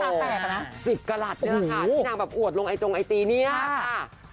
๑๐กลับเนี่ยแหละค่ะที่นางแบบอวดลงไอจงไอตีเนี่ยค่ะ